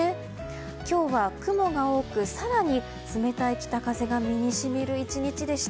今日は雲が多く更に冷たい北風が身に染みる１日でした。